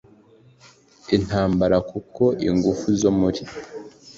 intambara kuko ingufu zo muri